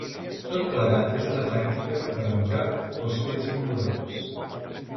Tot plegat és una tàctica per a amagar els fets immorals.